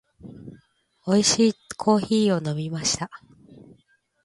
美味しいコーヒーを飲みました。